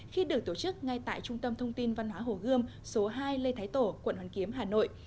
khi được tổ chức ngay tại trung tâm thông tin văn hóa hồ gươm số hai lê thái tổ quận hoàn kiếm hà nội